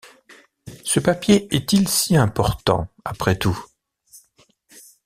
Ce papier est-il si important, après tout?...